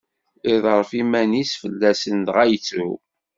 Iḍerref iman-is fell-asen dɣa yettru.